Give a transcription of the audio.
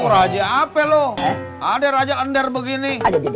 raja apa lo ada raja ender begini